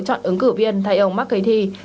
chọn ứng cử viên thay ông mccarthy